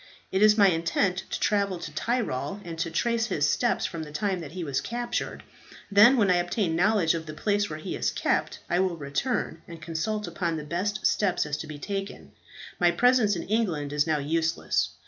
It is my intent to travel to the Tyrol, and to trace his steps from the time that he was captured. Then, when I obtain knowledge of the place where he is kept, I will return, and consult upon the best steps to be taken. My presence in England is now useless.